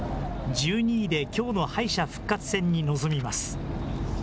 １２位できょうの敗者復活戦に臨みます。